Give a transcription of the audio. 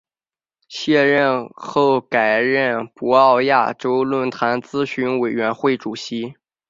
卸任后改任博鳌亚洲论坛咨询委员会主席。